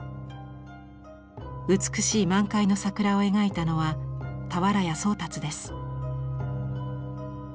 美しい満開の桜を描いたのは俵屋宗達です。